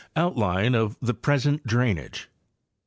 OUTLINE OF THE PRESENT DRAINAGE.